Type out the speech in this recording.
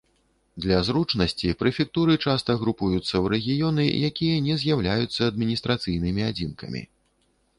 Для зручнасці прэфектуры часта групуюцца ў рэгіёны, якія не з'яўляюцца адміністрацыйнымі адзінкамі.